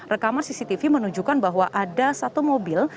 rekaman cctv menunjukkan bahwa ada satu mobil